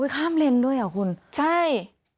อุ๊ยข้ามเลนด์ด้วยเหรอคุณใช่